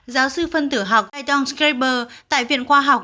giáo sư phân tử học aydan skriper tại viện khoa học